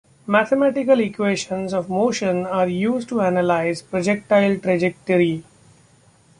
Mathematical equations of motion are used to analyze projectile trajectory.